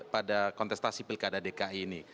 pada kontestasi pilkada dki ini